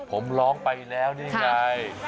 ผมร้องไปแล้วนี่ไง